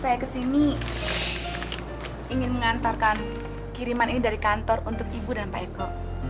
saya kesini ingin mengantarkan kiriman ini dari kantor untuk ibu dan pak eko